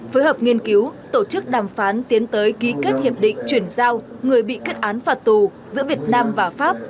phối hợp nghiên cứu tổ chức đàm phán tiến tới ký kết hiệp định chuyển giao người bị kết án phạt tù giữa việt nam và pháp